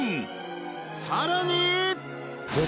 さらに